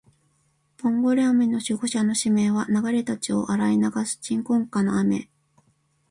ボンゴレ雨の守護者の使命は、流れた血を洗い流す鎮魂歌の雨